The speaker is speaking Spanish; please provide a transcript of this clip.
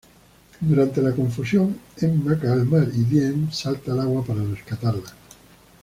Durante la confusión, Emma cae al mar y Dean salta al agua para rescatarla.